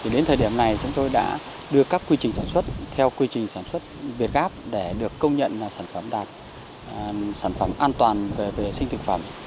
đến thời điểm này chúng tôi đã đưa các quy trình sản xuất theo quy trình sản xuất việt gáp để được công nhận sản phẩm đạt sản phẩm an toàn về vệ sinh thực phẩm